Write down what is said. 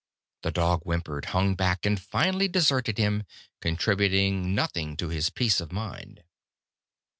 The dog whimpered, hung back, and finally deserted him, contributing nothing to his peace of mind.